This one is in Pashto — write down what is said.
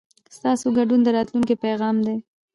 ستاسو ګډون د راتلونکي پیغام دی.